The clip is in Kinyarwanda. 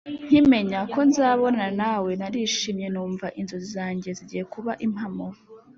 nkimenya ko nzabonana nawe narishimye numva inzozi zange zigiye kuba impamo,